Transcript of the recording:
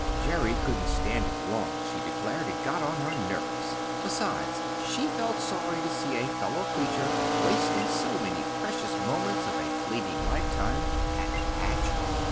Jerry couldn't stand it long; she declared it got on her nerves; besides, she felt sorry to see a fellow creature wasting so many precious moments of a fleeting lifetime at patchwork.